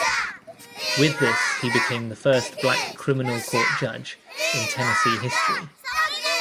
With this he became the first black criminal court judge in Tennessee history.